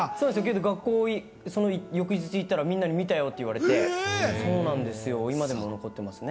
学校に翌日行ったらみんなに見たよって言われて、今でも残ってますね。